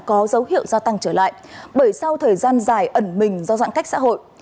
có dấu hiệu gia tăng trở lại bởi sau thời gian dài ẩn mình do giãn cách xã hội